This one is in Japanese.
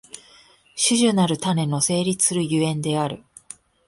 種々なる種の成立する所以である。